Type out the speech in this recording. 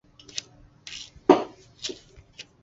目前仅餐饮管理科纳入编列。